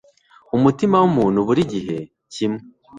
Umutima wumuntu burigihe kimwe